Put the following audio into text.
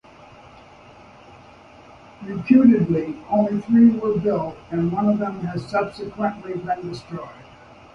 Reputedly only three were built and one of them has subsequently been destroyed.